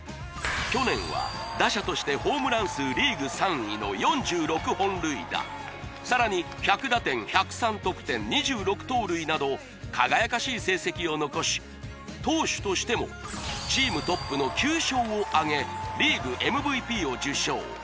去年は打者としてホームラン数リーグ３位の４６本塁打さらに１００打点１０３得点２６盗塁など輝かしい成績を残し投手としてもチームトップの９勝をあげリーグＭＶＰを受賞